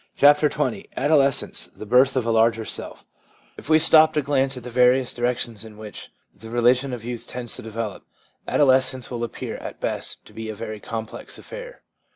CHAPTER XX ADOLESCENCE— THE BIRTH OF A LARGER SELF If we stop to glance at the various directions in which the religion of youth tends to develop, adolescence will appear at best to be a very complex affair.